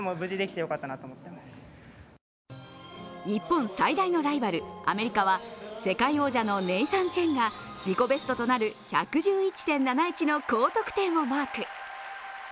日本最大のライバル、アメリカは世界王者のネイサン・チェンが自己ベストとなる１１１．７１の高得点をマーク。